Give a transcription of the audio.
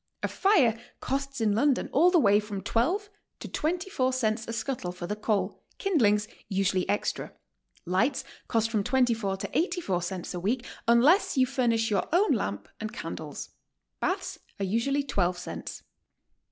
A fire costs in London all the way from 12 to 24 cents a scuttle for the coal, kindlings usually extra; lights cost from 24 to 84 cents a week, unless you furnish your own lamp and candles. Baths are usually 12 cents.